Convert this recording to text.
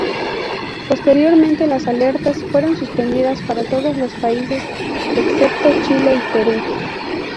Posteriormente las alertas fueron suspendidas para todos los países excepto Chile y Perú.